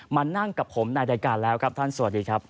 มานั่งกับผมในรายการแล้วครับท่านสวัสดีครับ